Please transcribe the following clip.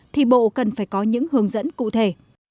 thì bộ cần phải có những hướng dẫn cụ thể